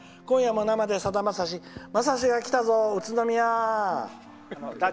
「今夜も生でさだまさしまさしが来たぞ宇都宮ァ！」。